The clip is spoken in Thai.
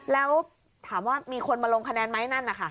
แล้วถามว่ามีคนมาลงคะแนนไหมนั่นนะคะ